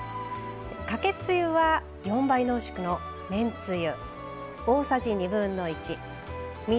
かけつゆは４倍濃縮のめんつゆ。